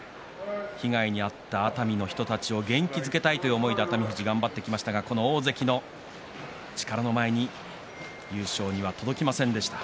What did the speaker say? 被害に遭った熱海の人たちを元気づけたいという思いで熱海富士、頑張ってきましたがこの大関の力の前に優勝には届きませんでした。